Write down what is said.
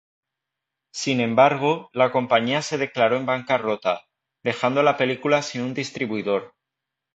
Sin embargo, la compañía se declaró en bancarrota, dejando la película sin un distribuidor.